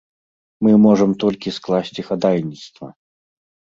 Мы можам толькі скласці хадайніцтва.